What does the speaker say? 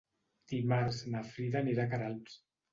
Dimarts na Frida anirà a Queralbs.